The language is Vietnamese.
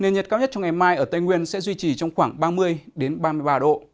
nhiệt độ cao nhất cho ngày mai ở tây nguyên sẽ duy trì trong khoảng ba mươi đến ba mươi ba độ